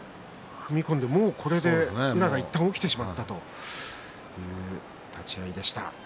踏み込みで、もう宇良が起きてしまったという立ち合いでした。